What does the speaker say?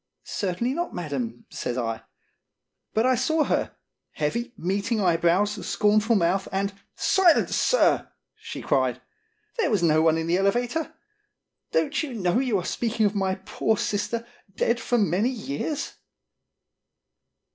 "Certainly not, Madam," says I. "But 1 01 Srnorn Statement. 227 saw her! heavy, meeting eyebrows, scorn ful mouth, and "" Silence, sir !" she cried. " There was no one in the elevator. Don't you know you are speaking of my poor sister, dead for many years?"